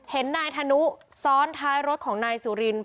เห็นนายธนุซ้อนท้ายรถของนายสุริน